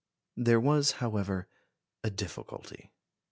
There was, however, a difficulty.